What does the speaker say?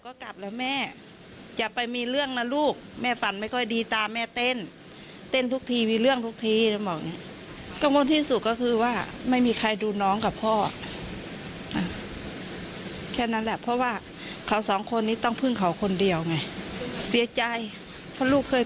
ออกจากประตูคุกมาลูกกลับตีนแม่เลย